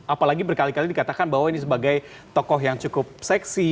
apalagi berkali kali dikatakan bahwa ini sebagai tokoh yang cukup seksi